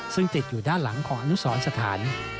ซึ่งติดอยู่ด้านหลังของอนุสรสถาน